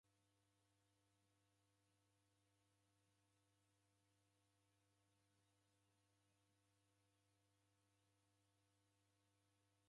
Namanya seji w'aw'iaghesha.